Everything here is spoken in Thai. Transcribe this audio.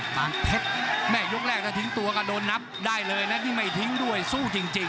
ปานเพชรแม่ยกแรกถ้าทิ้งตัวก็โดนนับได้เลยนะนี่ไม่ทิ้งด้วยสู้จริง